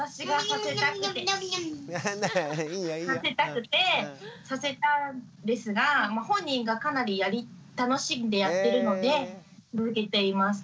させたくてさせたんですが本人がかなり楽しんでやってるので続けています。